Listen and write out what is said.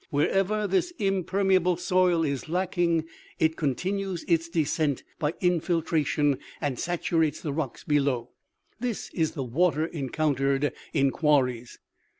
Wherever this imper meable soil is lacking, it continues its descent by infiltra OMEGA. 93 tion and saturates the rocks below. This is the water encountered in quarries.